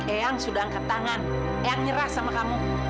eang sudah angkat tangan eang nyerah sama kamu